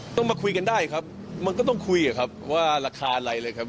ต้องมาคุยกันได้ครับมันก็ต้องคุยกับครับว่าราคาอะไรเลยครับ